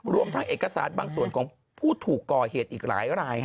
รวมทั้งเอกสารบางส่วนของผู้ถูกก่อเหตุอีกหลายราย